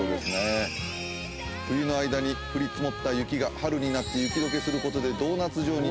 冬の間に降り積もった雪が春になって雪解けすることでドーナツ状に。